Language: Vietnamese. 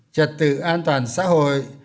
trật tự an toàn xã hội